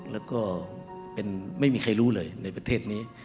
แล้วก็ไม่มีใครรู้เลยในประเทศนี้